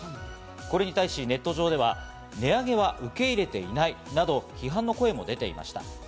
これに対しネット上では値上げは受け入れていないなど批判の声も出ていました。